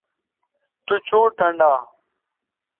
تو چوں ٹنڈا